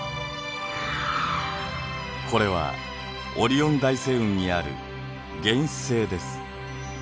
これはオリオン大星雲にある原始星です。